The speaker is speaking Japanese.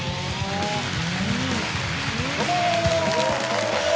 どうも！